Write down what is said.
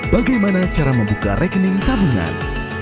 bagaimana cara membuka rekening tabungan